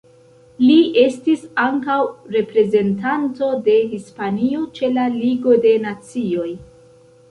Li estis ankaŭ reprezentanto de Hispanio ĉe la Ligo de Nacioj.